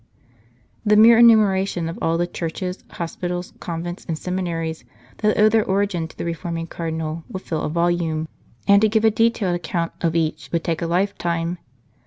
The mere enumeration of all the churches, hospitals, convents, and seminaries, that owe their origin to the reforming Cardinal would fill a volume, and to give a detailed account of each would take a lifetime.